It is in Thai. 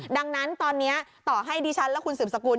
ดังนั้นตอนนี้ต่อให้ดิฉันและคุณสืบสกุล